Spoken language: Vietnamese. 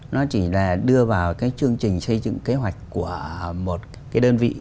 nó chỉ là đưa vào cái chương trình xây dựng kế hoạch của một cái đơn vị